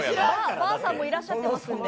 ばあさんもいらっしゃっていますので。